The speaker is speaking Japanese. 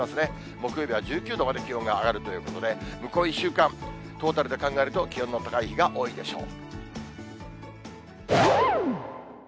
木曜日は１９度まで気温が上がるということで、向こう１週間、トータルで考えると気温の高い日が多いでしょう。